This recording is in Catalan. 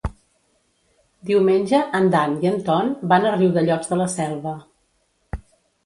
Diumenge en Dan i en Ton van a Riudellots de la Selva.